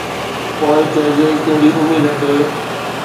پوءِ چئجي ڪهڙي اميد تي